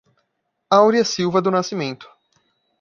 Aurea Silva do Nascimento